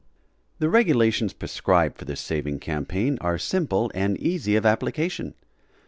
The regulations prescribed for this saving campaign are simple and easy of application.